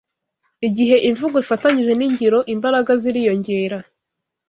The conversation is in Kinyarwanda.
Igihe imvugo ifatanyije n’ingiro, imbaraga ziriyongera.